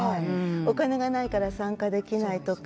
お金がないから参加できないとか。